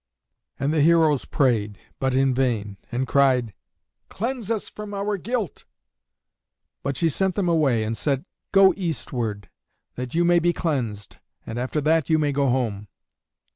And the heroes prayed, but in vain, and cried, "Cleanse us from our guilt!" but she sent them away and said, "Go eastward, that you may be cleansed, and after that you may go home."